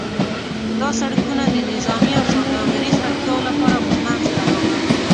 دا سړکونه د نظامي او سوداګریز اړتیاوو لپاره منځته راغلل.